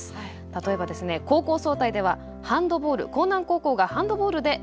例えば高校総体ではハンドボール興南高校がハンドボールで６回制覇。